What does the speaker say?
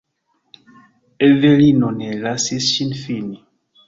Evelino ne lasis ŝin fini.